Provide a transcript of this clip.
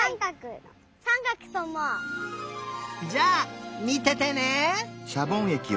じゃあみててね！